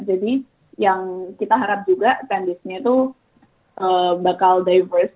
jadi yang kita harap juga pendisinya itu bakal diverse